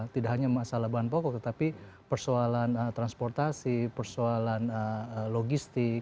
tidak hanya masalah bahan pokok tetapi persoalan transportasi persoalan logistik